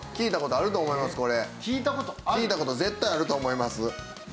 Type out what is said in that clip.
聞いた事絶対あると思います。